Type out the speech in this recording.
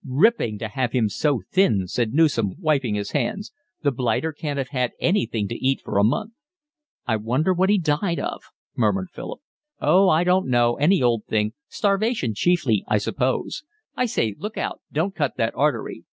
"Ripping to have him so thin," said Newson, wiping his hands. "The blighter can't have had anything to eat for a month." "I wonder what he died of," murmured Philip. "Oh, I don't know, any old thing, starvation chiefly, I suppose…. I say, look out, don't cut that artery."